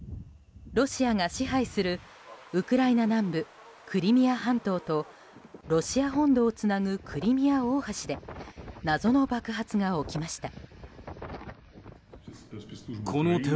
ロシアが支配するウクライナ南部クリミア半島とロシア本土をつなぐクリミア大橋で謎の爆発が起きました。